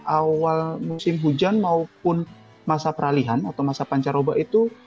awal musim hujan maupun masa peralihan atau masa pancar obat itu